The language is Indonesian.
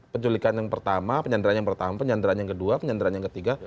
penculikan yang pertama penyandaran yang pertama penyandaran yang kedua penyandaran yang ketiga